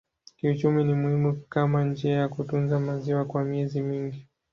Kiuchumi ni muhimu kama njia ya kutunza maziwa kwa miezi mingi.